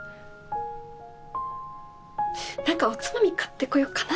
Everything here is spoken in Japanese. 何かおつまみ買ってこようかな。